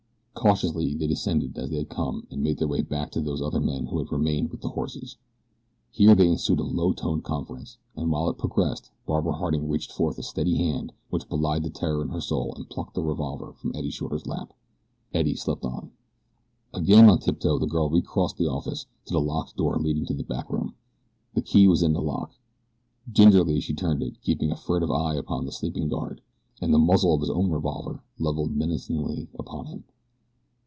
Cautiously they descended as they had come and made their way back to those other men who had remained with the horses. Here there ensued a low toned conference, and while it progressed Barbara Harding reached forth a steady hand which belied the terror in her soul and plucked the revolver from Eddie Shorter's lap. Eddie slept on. Again on tiptoe the girl recrossed the office to the locked door leading into the back room. The key was in the lock. Gingerly she turned it, keeping a furtive eye upon the sleeping guard, and the muzzle of his own revolver leveled menacingly upon him.